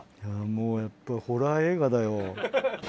もうやっぱホラー映画だよ。